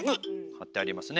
張ってありますね。